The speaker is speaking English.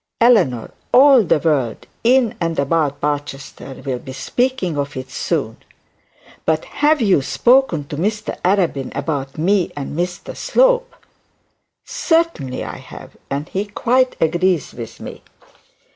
'Eleanor, all the world in and about Barchester will be speaking of it soon.' 'But you have spoken to Mr Arabin about me and Mr Slope?' 'Certainly I have, and he quite agrees with me.'